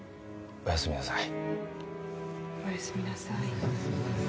おやすみなさい